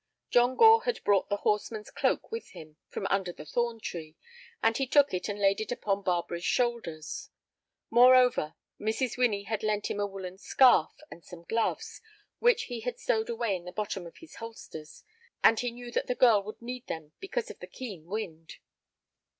John Gore had brought his horseman's cloak with him from under the thorn tree, and he took it and laid it upon Barbara's shoulders. Moreover, Mrs. Winnie had lent him a woollen scarf and some gloves, which he had stowed away at the bottom of his holsters, and he knew that the girl would need them because of the keen wind.